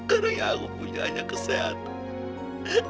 kadang yang aku punya hanya kesehatan